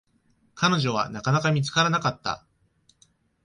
彼女は、なかなか見つからなかった。